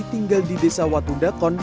tinggal di desa watundakon